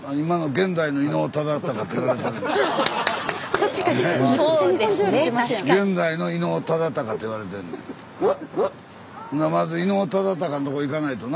現代の伊能忠敬って言われてんねん。